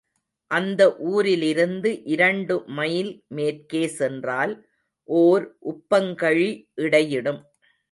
அந்த ஊரிலிருந்து இரண்டு மைல் மேற்கே சென்றால் ஓர் உப்பங்கழி இடையிடும்.